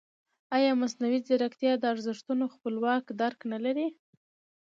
ایا مصنوعي ځیرکتیا د ارزښتونو خپلواک درک نه لري؟